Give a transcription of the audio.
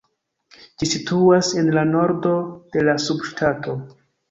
Ĝi situas en la nordo de la subŝtato.